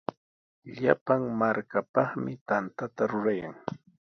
Llapan markapaqmi tantata rurayan.